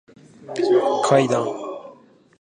階段